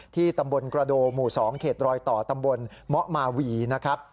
ตำบลกระโดหมู่๒เขตรอยต่อตำบลเมาะมาวีนะครับ